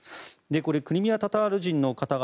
これクリミア・タタール人の方々